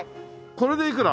これでいくら？